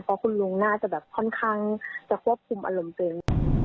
เพราะคุณลุงน่าจะแบบค่อนข้างจะควบคุมอารมณ์ตัวเอง